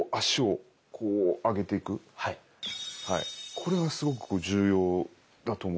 これがすごく重要だと思います。